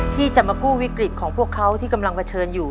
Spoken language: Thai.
ที่จะมากู้วิกฤตของพวกเขาที่กำลังเผชิญอยู่